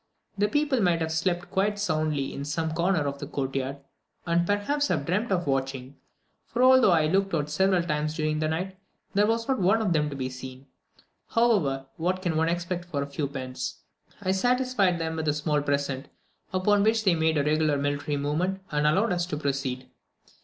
The people might have slept quite soundly in some corner of the court yard, and, perhaps, have dreamt of watching, for although I had looked out several times during the night, there was not one of them to be seen; however, what can one expect for a few pence? I satisfied them with a small present, upon which they made a regular military movement, and allowed us to proceed.